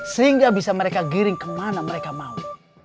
sehingga bisa mereka giring kemana mereka mau